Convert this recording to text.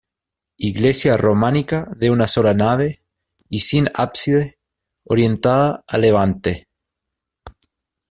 Iglesia románica de una sola nave y sin ábside, orientada a levante.